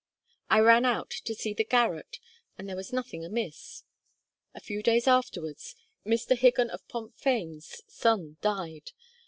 I ran out to see the garret, and there was nothing amiss. A few days afterwards, Mr. Higgon of Pontfaen's son died.